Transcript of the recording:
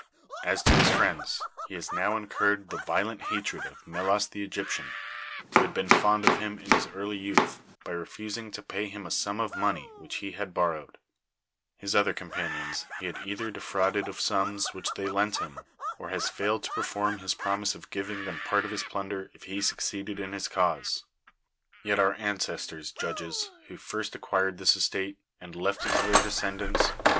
As to his friends, he has now incurred the vio lent hatred of ]\Iela3 the Egj^ptian, who had been fond of him in his early youth, by refu sing to j)ay him a sum of money which he had borrowed; his other companions he had either defrauded of sums which they lent him, or has failed to perform his promise of giving them part of his plunder if he succeeded in his cause. Yet our ancestors, judges, who first acquired this estate, and left it to their descendants, con.